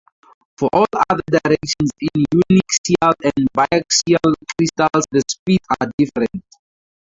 For all other directions in uniaxial and biaxial crystals the speeds are different.